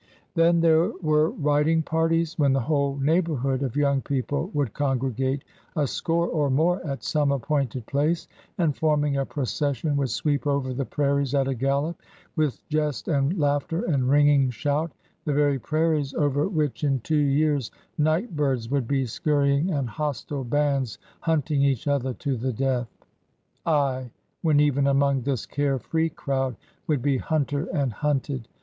Then there were riding parties when the whole neigh borhood of young people would congregate, a score or more at some appointed place, and, forming a procession, would sweep over the prairies at a gallop, with jest and laughter and ringing shout,— the very prairies over which, in two years, " night birds " would be scurrying and hostile bands hunting each other to the death. Aye ! when even among this care free crowd would be himter and hunted!